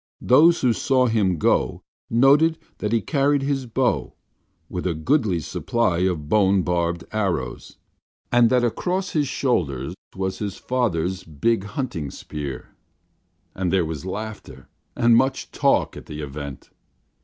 Those who saw him go noted that he carried his bow, with a goodly supply of bone barbed arrows, and that across his shoulder was his father's big hunting spear. And there was laughter, and much talk, at the event.